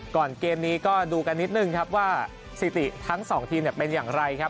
เกมนี้ก็ดูกันนิดนึงครับว่าสถิติทั้งสองทีมเป็นอย่างไรครับ